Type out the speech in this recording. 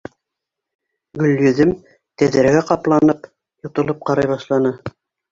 Гөлйөҙөм, тәҙрәгә ҡапланып, йотолоп ҡарай башланы.